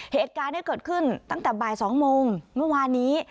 เหตุการณ์ที่เกิดขึ้นตั้งแต่บ่าย๒โมงเมื่อวานนี้